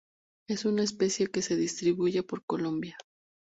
Es una especie que se distribuye por Colombia.